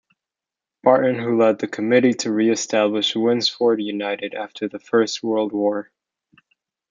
Barton, who led the committee to re-establish Winsford United after the First World War.